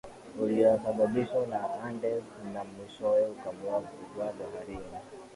uliosababishwa na Andes na mwishowe ukamwaga baharini